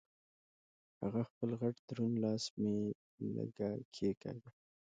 هغه خپل غټ دروند لاس مې لږه کېګاږه.